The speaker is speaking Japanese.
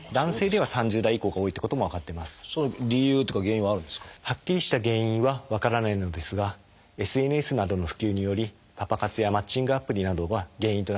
はっきりした原因は分からないのですがＳＮＳなどの普及によりパパ活やマッチングアプリなどが原因となっている可能性があります。